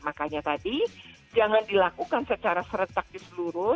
makanya tadi jangan dilakukan secara serentak di seluruh